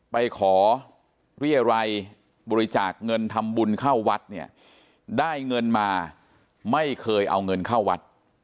ไปขอเรียรัยบริจาคเงินทำบุญเข้าวัดเนี่ยได้เงินมาไม่เคยเอาเงินเข้าวัด